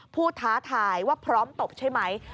ท้าทายว่าพร้อมตบใช่ไหม